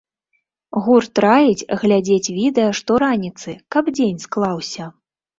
Гурт раіць глядзець відэа штораніцы, каб дзень склаўся!